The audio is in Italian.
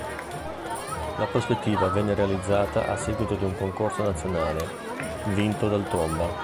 La Prospettiva venne realizzata a seguito di un concorso nazionale, vinto dal Tomba.